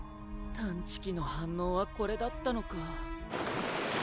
探知機の反応はこれだったのか。